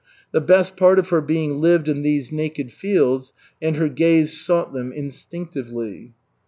The best part of her being lived in these naked fields, and her gaze sought them instinctively.